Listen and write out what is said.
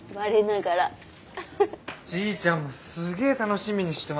じいちゃんもすげえ楽しみにしてますよ。